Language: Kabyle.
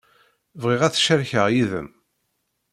Bɣiɣ ad t-cerkeɣ yid-m.